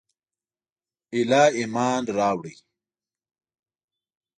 ایله ایمان راووړ.